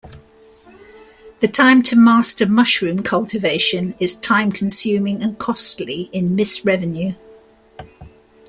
The time to master mushroom cultivation is time consuming and costly in missed revenue.